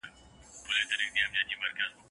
توري شپې سوې سپیني ورځي ښار سینګار سو